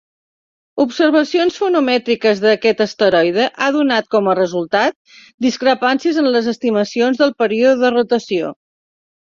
Observacions fonomètriques d'aquest asteroide ha donat com a resultat discrepàncies en les estimacions del període de rotació.